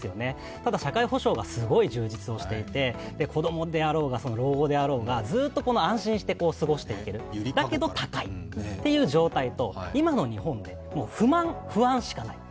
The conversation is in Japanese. ただ社会保障がすごい充実をしていて、子供であろうが老後であろうがずっと安心して過ごしていける、だけど高いという状態と、今の日本は、不満、不安しかない。